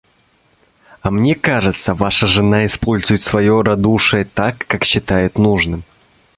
А мне кажется, ваша жена использует свое радушие так, как считает нужным.